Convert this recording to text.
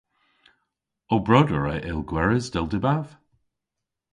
Ow broder a yll gweres, dell dybav.